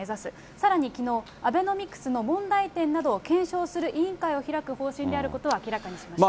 さらにきのう、アベノミクスの問題点などを検証する委員会を開く方針であることを明らかにしました。